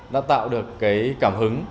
đã tạo được cái cảm hứng